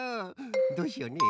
どうしようねえ。